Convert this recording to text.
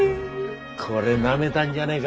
これなめたんじゃねえが？